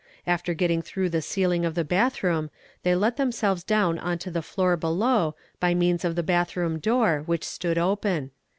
After getting through the ceiling of the bathroom they let themselves down on to the floor below by means of the bathroom door, which stood open.